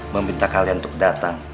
meminta kalian untuk datang